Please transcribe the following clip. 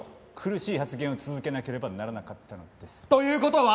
苦しい発言を続けなければならなかったのです。という事は！？